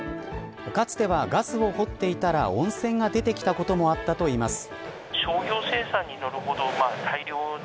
かつてはガスを掘っていたら温泉が出てきたこともあったといいます。